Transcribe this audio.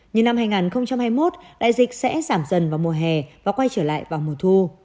như năm hai nghìn hai mươi một đại dịch sẽ giảm dần vào mùa hè và quay trở lại vào mùa thu